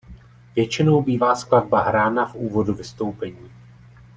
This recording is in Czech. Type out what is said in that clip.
Většinou bývá skladba hrána v úvodu vystoupení.